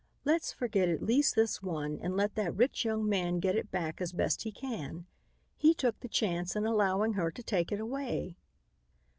Let's forget at least this one and let that rich young man get it back as best he can. He took the chance in allowing her to take it away."